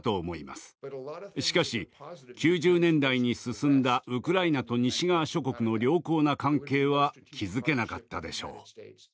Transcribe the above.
しかし９０年代に進んだウクライナと西側諸国の良好な関係は築けなかったでしょう。